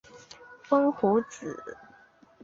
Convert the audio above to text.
风胡子。